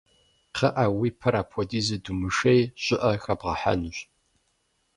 Кхъыӏэ, уи пэр апхуэдизу думышей, щӏыӏэ хэбгъэхьэнущ.